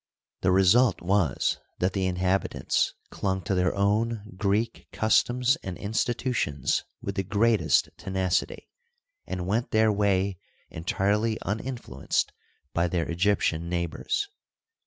The result was, that the inhabitants clung to their own Greek customs and in stitutions with the greatest tenacity, and went their way entirely uninfluenced by their Egyptian neighbors.